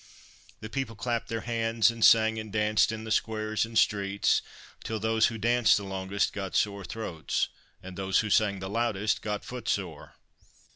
The people clapped their hands and sang and danced in the squares and streets, till those who danced the longest got sore throats, and those who sang the loudest got footsore.